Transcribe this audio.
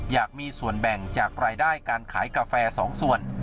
อยากมีส่วนแบ่งจากรายได้การขายกาแฟ๒ส่วน